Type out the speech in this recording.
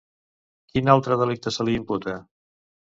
Quin altre delicte se li imputa?